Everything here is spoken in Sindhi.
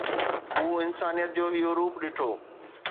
مون انسانيت جو اهو روپ ڏٺو